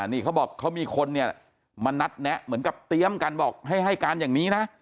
นี่เขาบอกเขามีคนเนี่ยมานัดแนะเหมือนกับเตรียมกันบอกให้ให้การอย่างนี้นะ